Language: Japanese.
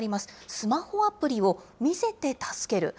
スマホアプリを見せて助ける。